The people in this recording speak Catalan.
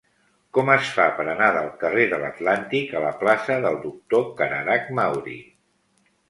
Com es fa per anar del carrer de l'Atlàntic a la plaça del Doctor Cararach Mauri?